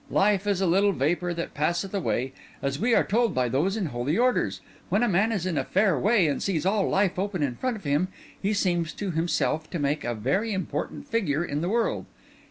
Life is a little vapour that passeth away, as we are told by those in holy orders. When a man is in a fair way and sees all life open in front of him, he seems to himself to make a very important figure in the world.